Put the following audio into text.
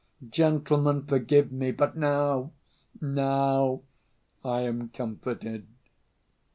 Gentlemen, forgive me! But now, now I am comforted."